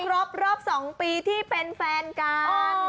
ครบรอบ๒ปีที่เป็นแฟนกัน